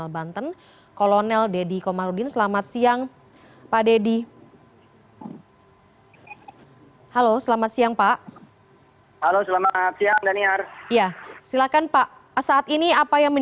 baik terima kasih daniar